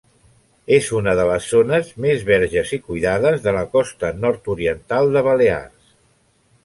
És una de les zones més verges i cuidades de la costa Nord-Oriental de Balears.